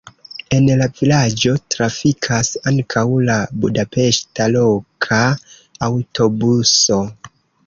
En la vilaĝo trafikas ankaŭ la budapeŝta loka aŭtobuso.